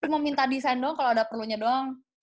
mau minta desain doang kalau ada perlunya doang